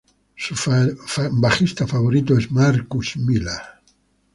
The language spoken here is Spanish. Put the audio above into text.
Su bajista favorito es Marcus Miller.